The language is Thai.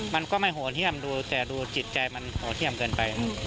มันก็ไม่โหดเยี่ยมดูแต่ดูจิตใจมันโหดเยี่ยมเกินไป